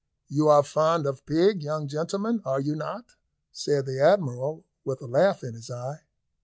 "You are fond of pig, young gentlemen, are you not?" said the Admiral, with a laugh in his eye.